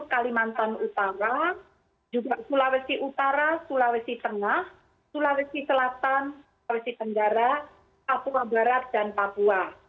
kalimantan utara juga sulawesi utara sulawesi tengah sulawesi selatan sulawesi tenggara papua barat dan papua